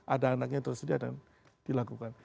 ada anaknya tersedia dan dilakukan